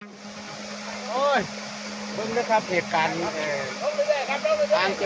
บริธีนาศอกรรมเกิดสร้างขึ้นภูมิเข้ากับบริธีนาศอกรรมจากเกาะเทพมตรี